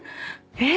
えっ。